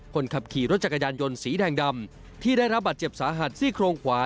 คนขับขี่รถจักรยานยนต์สีแดงดำที่ได้รับบาดเจ็บสาหัสซี่โครงขวา